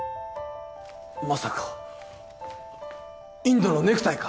まさかインドのネクタイか？